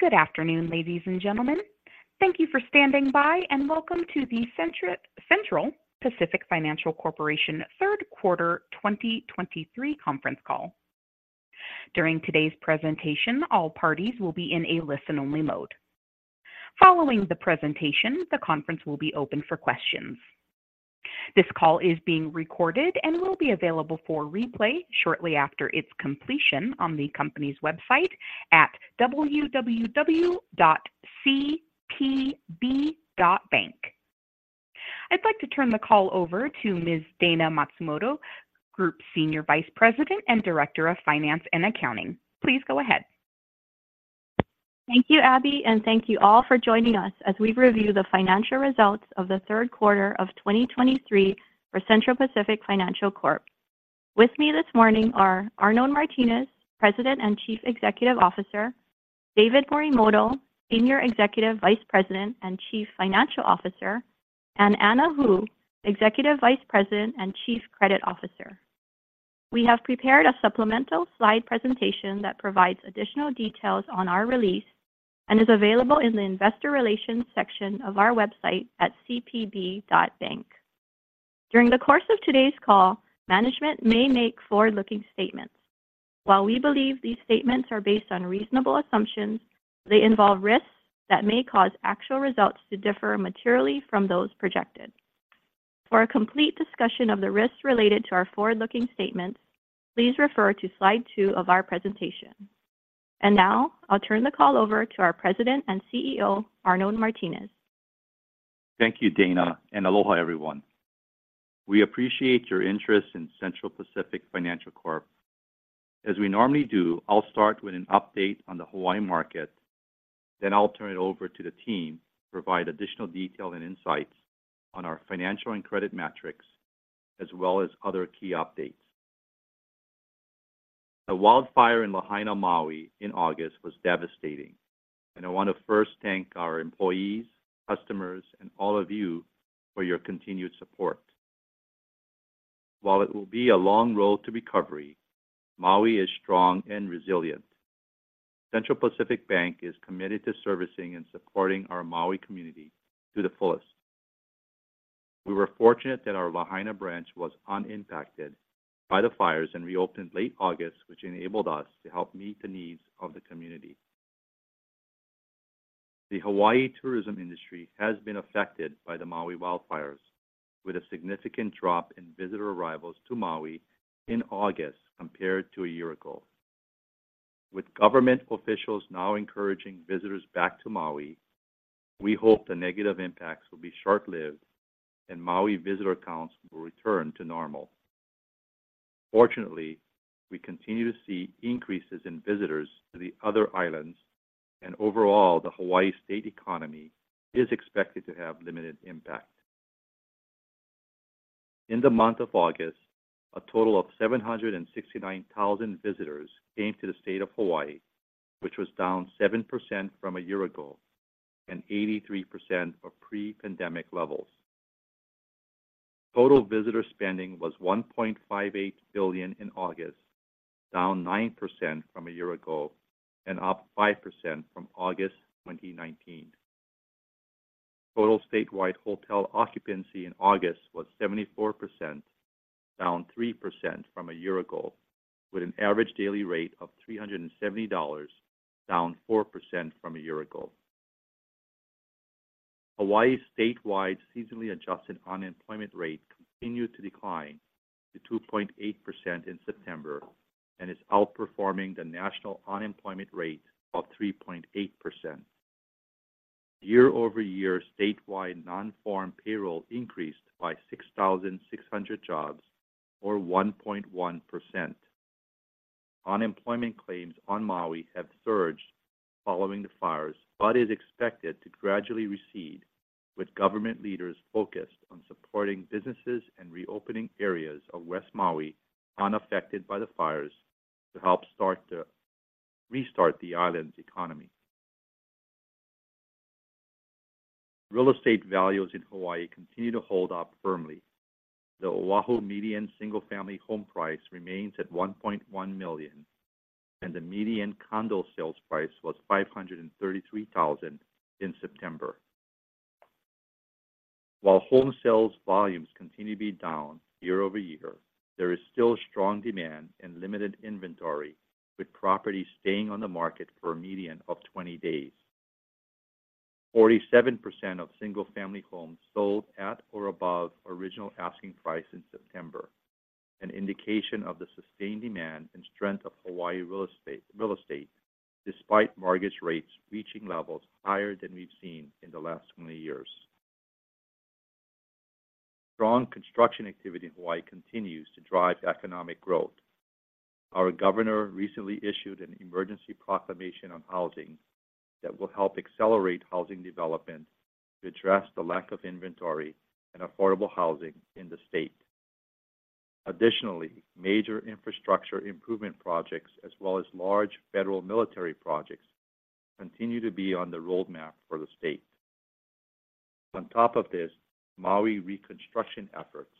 Good afternoon, ladies and gentlemen. Thank you for standing by, and welcome to the Central Pacific Financial Corporation Q3 2023 conference call. During today's presentation, all parties will be in a listen-only mode. Following the presentation, the conference will be open for questions. This call is being recorded and will be available for replay shortly after its completion on the company's website at www.cpb.bank. I'd like to turn the call over to Ms. Dayna Matsumoto, Group Senior Vice President and Director of Finance and Accounting. Please go ahead. Thank you, Abby, and thank you all for joining us as we review the financial results of the Q3 of 2023 for Central Pacific Financial Corp. With me this morning are Arnold Martines, President and Chief Executive Officer, David Morimoto, Senior Executive Vice President and Chief Financial Officer, and Anna Hu, Executive Vice President and Chief Credit Officer. We have prepared a supplemental slide presentation that provides additional details on our release and is available in the Investor Relations section of our website at cpb.bank. During the course of today's call, management may make forward-looking statements. While we believe these statements are based on reasonable assumptions, they involve risks that may cause actual results to differ materially from those projected. For a complete discussion of the risks related to our forward-looking statements, please refer to slide two of our presentation. Now, I'll turn the call over to our President and CEO, Arnold Martines. Thank you, Dayna, and aloha, everyone. We appreciate your interest in Central Pacific Financial Corp. As we normally do, I'll start with an update on the Hawaii market, then I'll turn it over to the team to provide additional detail and insights on our financial and credit metrics, as well as other key updates. The wildfire in Lahaina, Maui, in August was devastating, and I want to first thank our employees, customers, and all of you for your continued support. While it will be a long road to recovery, Maui is strong and resilient. Central Pacific Bank is committed to servicing and supporting our Maui community to the fullest. We were fortunate that our Lahaina branch was unimpacted by the fires and reopened late August, which enabled us to help meet the needs of the community. The Hawaii tourism industry has been affected by the Maui wildfires, with a significant drop in visitor arrivals to Maui in August compared to a year ago. With government officials now encouraging visitors back to Maui, we hope the negative impacts will be short-lived, and Maui visitor counts will return to normal. Fortunately, we continue to see increases in visitors to the other islands, and overall, the Hawaii state economy is expected to have limited impact. In the month of August, a total of 769,000 visitors came to the state of Hawaii, which was down 7% from a year ago and 83% of pre-pandemic levels. Total visitor spending was $1.58 billion in August, down 9% from a year ago and up 5% from August 2019. Total statewide hotel occupancy in August was 74%, down 3% from a year ago, with an average daily rate of $370, down 4% from a year ago. Hawaii's statewide seasonally adjusted unemployment rate continued to decline to 2.8% in September and is outperforming the national unemployment rate of 3.8%. Year-over-year statewide non-farm payroll increased by 6,600 jobs, or 1.1%. Unemployment claims on Maui have surged following the fires, but is expected to gradually recede, with government leaders focused on supporting businesses and reopening areas of West Maui unaffected by the fires to help restart the island's economy. Real estate values in Hawaii continue to hold up firmly. The Oahu median single-family home price remains at $1.1 million, and the median condo sales price was $533,000 in September. While home sales volumes continue to be down year-over-year, there is still strong demand and limited inventory, with properties staying on the market for a median of 20 days. 47% of single-family homes sold at or above original asking price in September, an indication of the sustained demand and strength of Hawaii real estate, real estate, despite mortgage rates reaching levels higher than we've seen in the last 20 years. Strong construction activity in Hawaii continues to drive economic growth. Our governor recently issued an emergency proclamation on housing that will help accelerate housing development to address the lack of inventory and affordable housing in the state. Additionally, major infrastructure improvement projects, as well as large federal military projects, continue to be on the roadmap for the state. On top of this, Maui reconstruction efforts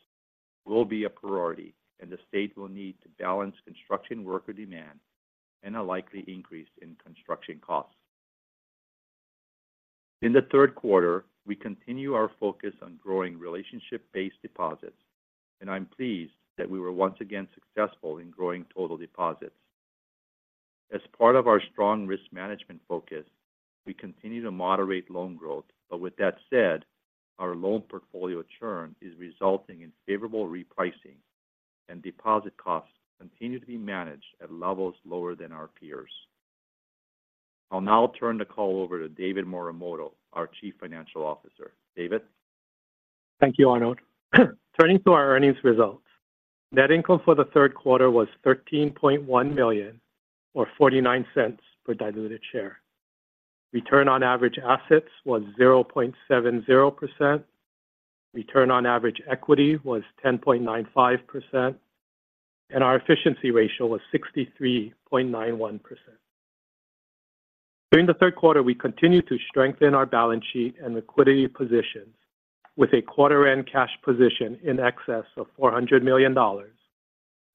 will be a priority, and the state will need to balance construction worker demand and a likely increase in construction costs. In the Q3, we continue our focus on growing relationship-based deposits, and I'm pleased that we were once again successful in growing total deposits. As part of our strong risk management focus, we continue to moderate loan growth. But with that said, our loan portfolio churn is resulting in favorable repricing, and deposit costs continue to be managed at levels lower than our peers. I'll now turn the call over to David Morimoto, our Chief Financial Officer. David? Thank you, Arnold. Turning to our earnings results. Net income for the Q3 was $13.1 million, or $0.49 per diluted share. Return on average assets was 0.70%, return on average equity was 10.95%, and our efficiency ratio was 63.91%. During the Q3, we continued to strengthen our balance sheet and liquidity positions with a quarter-end cash position in excess of $400 million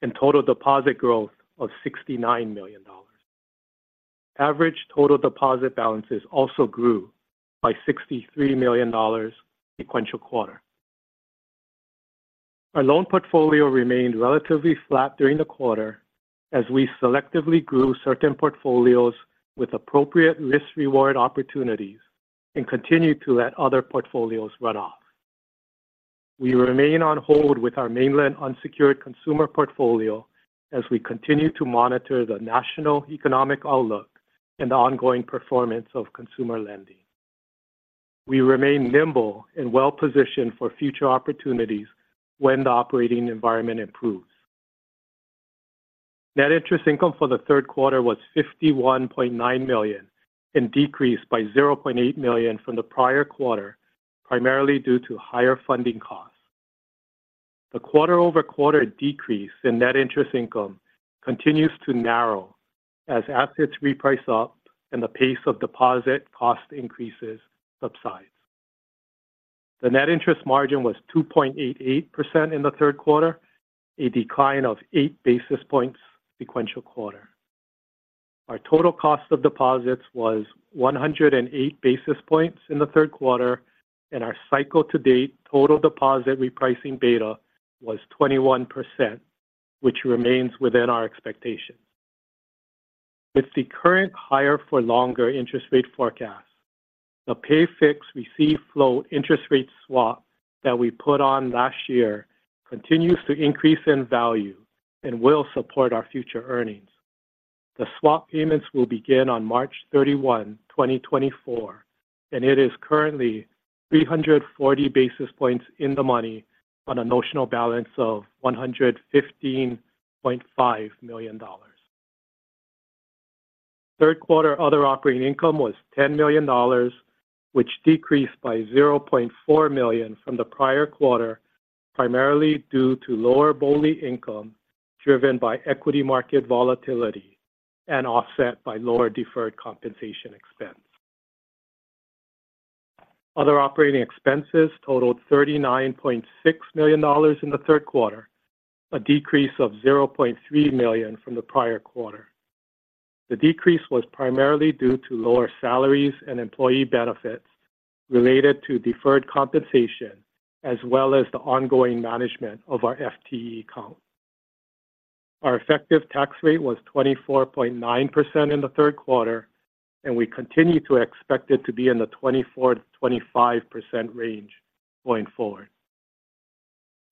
and total deposit growth of $69 million. Average total deposit balances also grew by $63 million sequential quarter. Our loan portfolio remained relatively flat during the quarter as we selectively grew certain portfolios with appropriate risk-reward opportunities and continued to let other portfolios run off. We remain on hold with our mainland unsecured consumer portfolio as we continue to monitor the national economic outlook and the ongoing performance of consumer lending. We remain nimble and well-positioned for future opportunities when the operating environment improves. Net interest income for the Q3 was $51.9 million and decreased by $0.8 million from the prior quarter, primarily due to higher funding costs. The quarter-over-quarter decrease in net interest income continues to narrow as assets reprice up and the pace of deposit cost increases subsides. The net interest margin was 2.88% in the Q3, a decline of 8 basis points sequential quarter. Our total cost of deposits was 108 basis points in the Q3, and our cycle to date total deposit repricing beta was 21%, which remains within our expectations. With the current higher for longer interest rate forecast, the pay-fixed receive-float interest rate swap that we put on last year continues to increase in value and will support our future earnings. The swap payments will begin on March 31, 2024, and it is currently 340 basis points in the money on a notional balance of $115.5 million. Q3 other operating income was $10 million, which decreased by $0.4 million from the prior quarter, primarily due to lower BOLI income, driven by equity market volatility and offset by lower deferred compensation expense. Other operating expenses totaled $39.6 million in the Q3, a decrease of $0.3 million from the prior quarter. The decrease was primarily due to lower salaries and employee benefits related to deferred compensation, as well as the ongoing management of our FTE count. Our effective tax rate was 24.9% in the Q3, and we continue to expect it to be in the 24%-25% range going forward.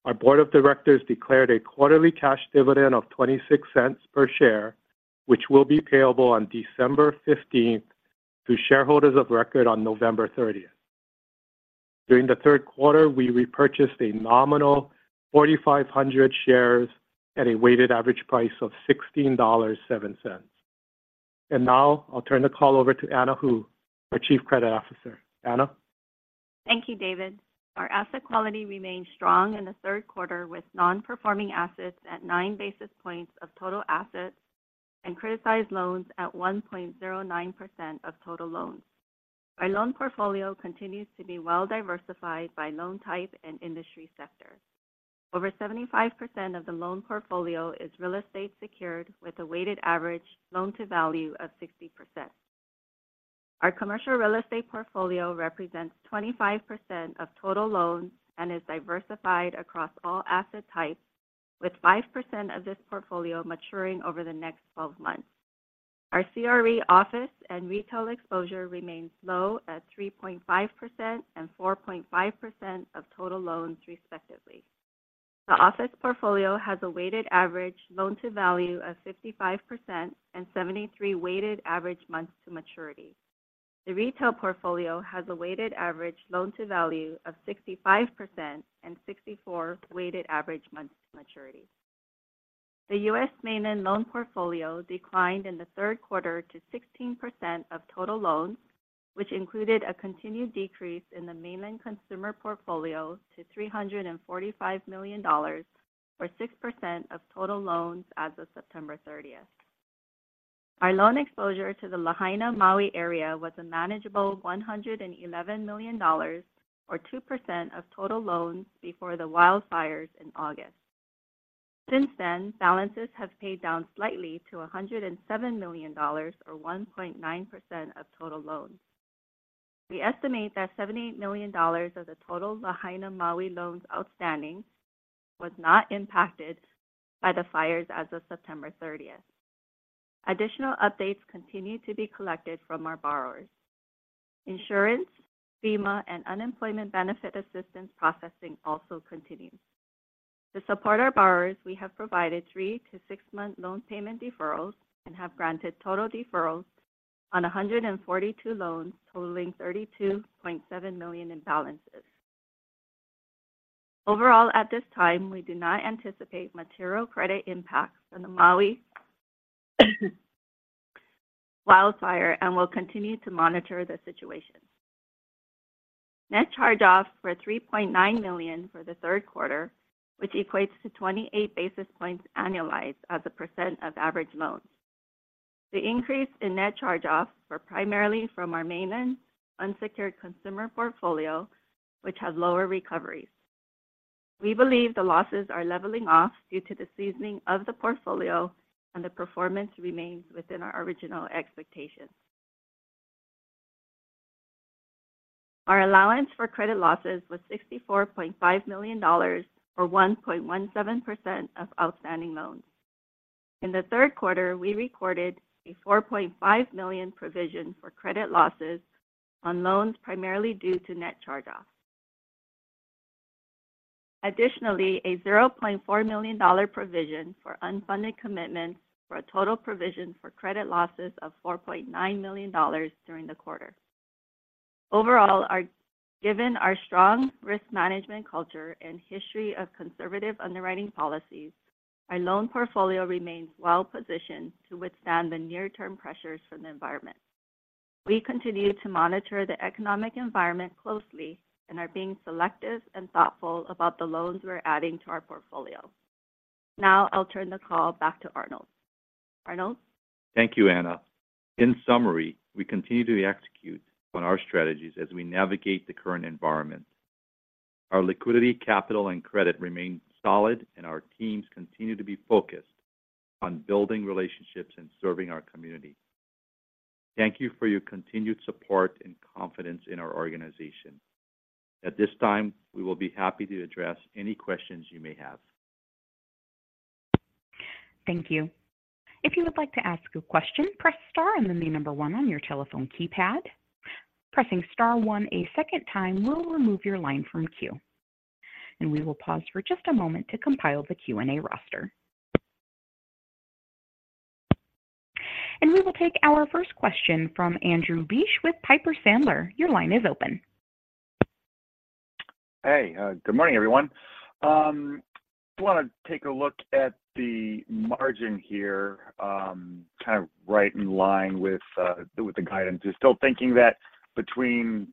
Our board of directors declared a quarterly cash dividend of $0.26 per share, which will be payable on December fifteenth to shareholders of record on November 30th. During the Q3, we repurchased a nominal 4,500 shares at a weighted average price of $16.07. Now I'll turn the call over to Anna Hu, our Chief Credit Officer. Anna? Thank you, David. Our asset quality remained strong in the Q3, with non-performing assets at 9 basis points of total assets and criticized loans at 1.09% of total loans. Our loan portfolio continues to be well diversified by loan type and industry sector. Over 75% of the loan portfolio is real estate secured, with a weighted average loan-to-value of 60%. Our commercial real estate portfolio represents 25% of total loans and is diversified across all asset types, with 5% of this portfolio maturing over the next twelve months. Our CRE office and retail exposure remains low at 3.5% and 4.5% of total loans, respectively. The office portfolio has a weighted average loan-to-value of 55% and 73 weighted average months to maturity. The retail portfolio has a weighted average loan-to-value of 65% and 64 weighted average months to maturity. The U.S. mainland loan portfolio declined in the Q3 to 16% of total loans, which included a continued decrease in the mainland consumer portfolio to $345 million, or 6% of total loans as of September 30. Our loan exposure to the Lahaina, Maui area was a manageable $111 million, or 2% of total loans before the wildfires in August. Since then, balances have paid down slightly to $107 million, or 1.9% of total loans. We estimate that $78 million of the total Lahaina, Maui loans outstanding was not impacted by the fires as of September 30. Additional updates continue to be collected from our borrowers. Insurance, FEMA, and unemployment benefit assistance processing also continues. To support our borrowers, we have provided 3- to 6-month loan payment deferrals and have granted total deferrals on 142 loans, totaling $32.7 million in balances. Overall, at this time, we do not anticipate material credit impacts from the Maui wildfire and will continue to monitor the situation. Net charge-offs were $3.9 million for the Q3, which equates to 28 basis points annualized as a percent of average loans. The increase in net charge-offs were primarily from our mainland unsecured consumer portfolio, which had lower recoveries. We believe the losses are leveling off due to the seasoning of the portfolio, and the performance remains within our original expectations. Our allowance for credit losses was $64.5 million, or 1.17% of outstanding loans. In the Q3, we recorded a $4.5 million provision for credit losses on loans, primarily due to net charge-offs. Additionally, a $0.4 million provision for unfunded commitments for a total provision for credit losses of $4.9 million during the quarter. Overall, given our strong risk management culture and history of conservative underwriting policies, our loan portfolio remains well positioned to withstand the near-term pressures from the environment. We continue to monitor the economic environment closely and are being selective and thoughtful about the loans we're adding to our portfolio. Now I'll turn the call back to Arnold. Arnold? Thank you, Anna. In summary, we continue to execute on our strategies as we navigate the current environment. Our liquidity, capital, and credit remain solid, and our teams continue to be focused on building relationships and serving our community. Thank you for your continued support and confidence in our organization. At this time, we will be happy to address any questions you may have. Thank you. If you would like to ask a question, press star and then the number one on your telephone keypad. Pressing star one a second time will remove your line from queue. We will pause for just a moment to compile the Q&A roster. We will take our first question from Andrew Liesch with Piper Sandler. Your line is open. Hey, good morning, everyone. I want to take a look at the margin here, kind of right in line with the guidance. You're still thinking that between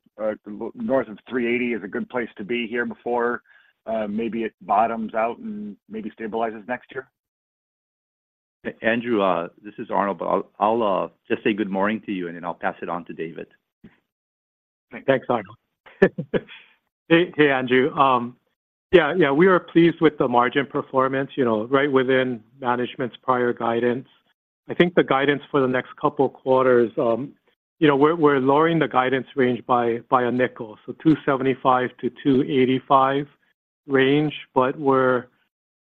north of 380 is a good place to be here before maybe it bottoms out and maybe stabilizes next year? Andrew, this is Arnold. But I'll just say good morning to you, and then I'll pass it on to David. Thanks, Arnold. Hey, Andrew. Yeah, yeah, we are pleased with the margin performance, you know, right within management's prior guidance. I think the guidance for the next couple of quarters, you know, we're lowering the guidance range by a nickel, so 2.75%-2.85% range, but we're,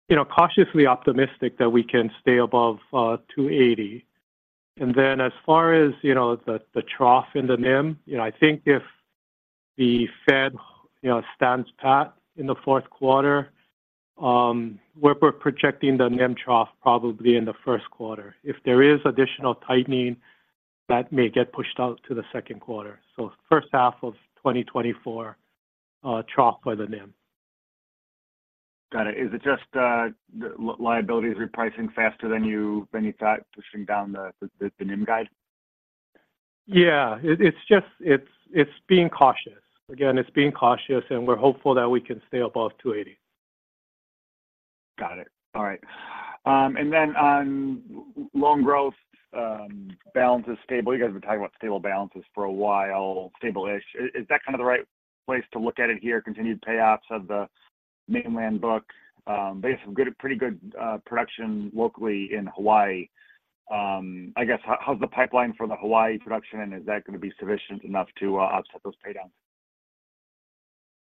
you know, cautiously optimistic that we can stay above 2.80. And then as far as, you know, the trough in the NIM, you know, I think if the Fed stands pat in the fourth quarter, we're projecting the NIM trough probably in the Q1. If there is additional tightening, that may get pushed out to the Q2. So H1 of 2024, trough for the NIM. Got it. Is it just the liabilities repricing faster than you thought, pushing down the NIM guide? Yeah, it's just, it's being cautious. Again, it's being cautious, and we're hopeful that we can stay above 280. Got it. All right. And then on loan growth, balance is stable. You guys have been talking about stable balances for a while, stable-ish. Is that kind of the right place to look at it here, continued payoffs of the mainland book? But you have some good, pretty good production locally in Hawaii. I guess, how's the pipeline for the Hawaii production, and is that going to be sufficient enough to offset those paydowns?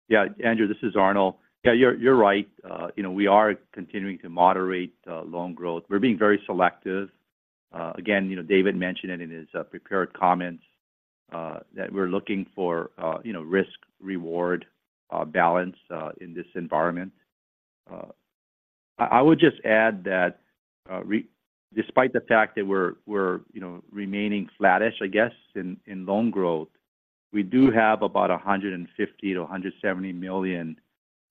Yeah, Andrew, this is Arnold. Yeah, you're right. You know, we are continuing to moderate loan growth. We're being very selective. Again, you know, David mentioned it in his prepared comments that we're looking for, you know, risk-reward balance in this environment. I would just add that despite the fact that we're, you know, remaining flattish, I guess, in loan growth, we do have about $150 million-$170 million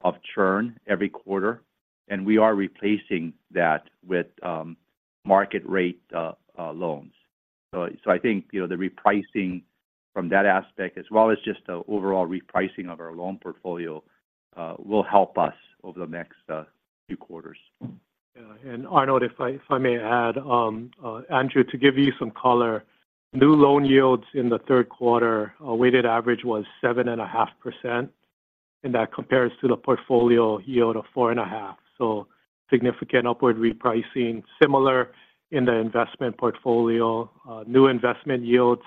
of churn every quarter, and we are replacing that with market rate loans. So I think, you know, the repricing from that aspect, as well as just the overall repricing of our loan portfolio will help us over the next few quarters. Yeah, and Arnold, if I may add, Andrew, to give you some color, new loan yields in the Q3, our weighted average was 7.5%, and that compares to the portfolio yield of 4.5%. So significant upward repricing. Similar in the investment portfolio, new investment yields,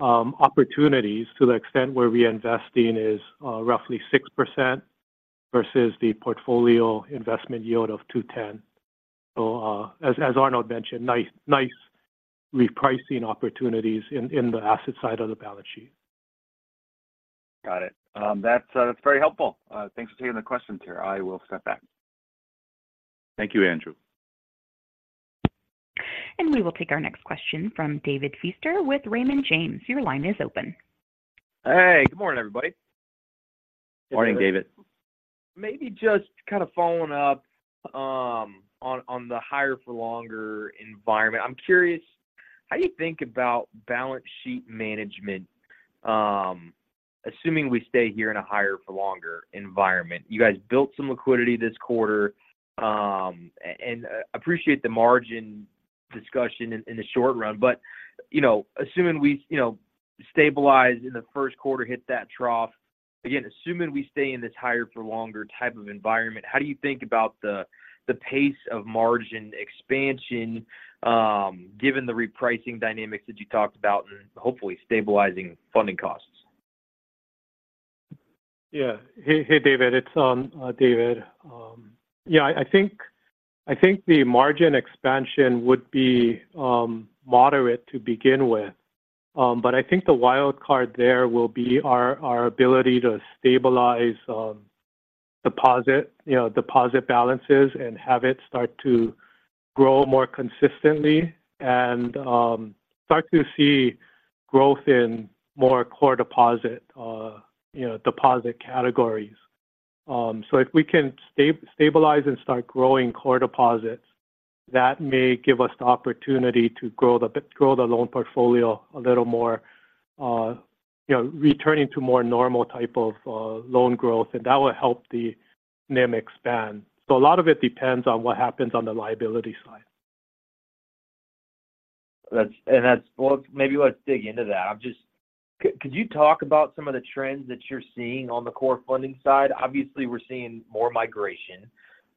opportunities to the extent where we're investing is roughly 6% versus the portfolio investment yield of 2.10%. So, as Arnold mentioned, nice, nice repricing opportunities in the asset side of the balance sheet. Got it. That's, that's very helpful. Thanks for taking the question here. I will step back. Thank you, Andrew. We will take our next question from David Feaster with Raymond James. Your line is open. Hey, good morning, everybody. Morning, David. Maybe just kind of following up on the higher for longer environment. I'm curious, how do you think about balance sheet management, assuming we stay here in a higher for longer environment? You guys built some liquidity this quarter, and appreciate the margin discussion in the short run. But, you know, assuming we, you know, stabilize in the Q1, hit that trough. Again, assuming we stay in this higher for longer type of environment, how do you think about the pace of margin expansion, given the repricing dynamics that you talked about and hopefully stabilizing funding costs? Yeah. Hey, hey, David, it's David. Yeah, I think, I think the margin expansion would be moderate to begin with. But I think the wild card there will be our ability to stabilize deposit, you know, deposit balances and have it start to grow more consistently, and start to see growth in more core deposit, you know, deposit categories. So if we can stabilize and start growing core deposits, that may give us the opportunity to grow the loan portfolio a little more, you know, returning to more normal type of loan growth, and that will help the NIM expand. So a lot of it depends on what happens on the liability side. Well, maybe let's dig into that. I'm just could you talk about some of the trends that you're seeing on the core funding side? Obviously, we're seeing more migration,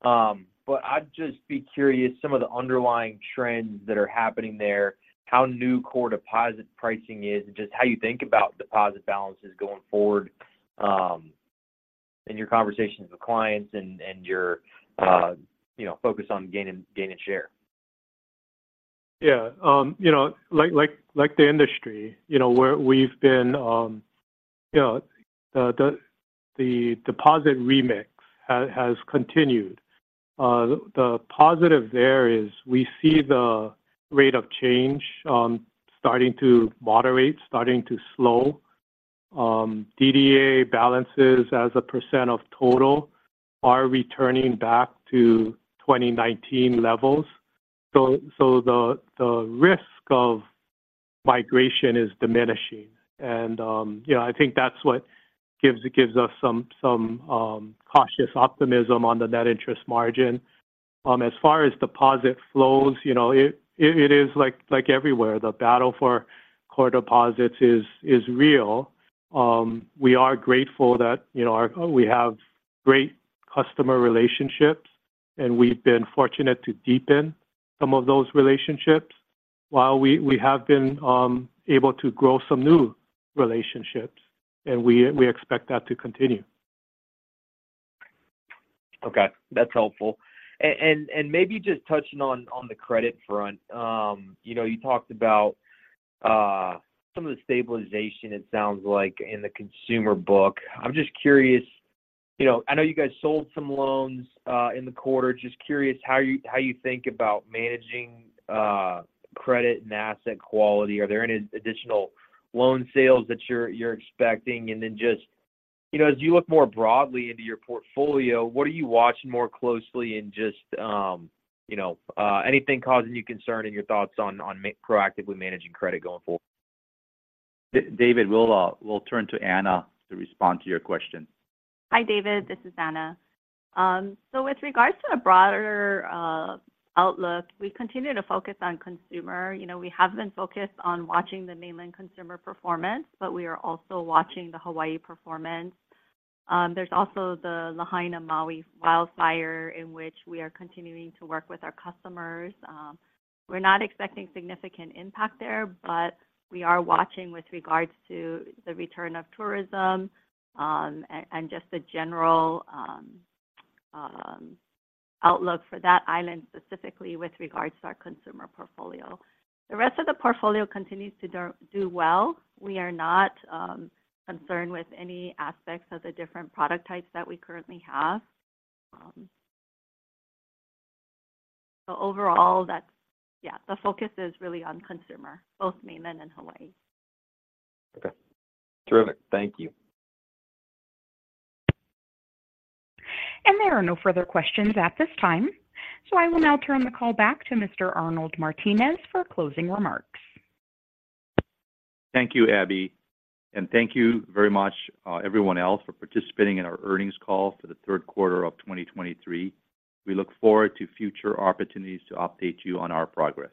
but I'd just be curious, some of the underlying trends that are happening there, how new core deposit pricing is, and just how you think about deposit balances going forward, in your conversations with clients and your you know, focus on gaining share. Yeah. You know, like the industry, you know, where we've been, you know, the deposit remix has continued. The positive there is we see the rate of change starting to moderate, starting to slow. DDA balances as a percent of total are returning back to 2019 levels. So the risk of migration is diminishing. And you know, I think that's what gives us some cautious optimism on the net interest margin. As far as deposit flows, you know, it is like everywhere, the battle for core deposits is real. We are grateful that, you know, we have great customer relationships, and we've been fortunate to deepen some of those relationships, while we have been able to grow some new relationships, and we expect that to continue. Okay, that's helpful. And maybe just touching on the credit front. You know, you talked about some of the stabilization, it sounds like in the consumer book. I'm just curious, you know. I know you guys sold some loans in the quarter. Just curious how you think about managing credit and asset quality. Are there any additional loan sales that you're expecting? And then just, you know, as you look more broadly into your portfolio, what are you watching more closely and just, you know, anything causing you concern and your thoughts on proactively managing credit going forward? David, we'll turn to Anna to respond to your question. Hi, David, this is Anna. So with regards to the broader outlook, we continue to focus on consumer. You know, we have been focused on watching the mainland consumer performance, but we are also watching the Hawaii performance. There's also the Lahaina, Maui wildfire, in which we are continuing to work with our customers. We're not expecting significant impact there, but we are watching with regards to the return of tourism, and just the general outlook for that island, specifically with regards to our consumer portfolio. The rest of the portfolio continues to do well. We are not concerned with any aspects of the different product types that we currently have. So overall, that's yeah, the focus is really on consumer, both mainland and Hawaii. Okay. Terrific. Thank you. There are no further questions at this time, so I will now turn the call back to Mr. Arnold Martines for closing remarks. Thank you, Abby, and thank you very much, everyone else, for participating in our earnings call for the Q3 of 2023. We look forward to future opportunities to update you on our progress.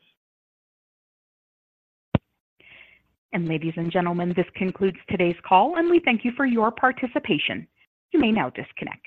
Ladies and gentlemen, this concludes today's call, and we thank you for your participation. You may now disconnect.